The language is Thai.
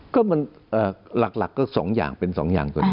ก็มันหลักก็เป็นสองอย่าง